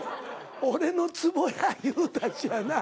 俺のツボや言うたしやな。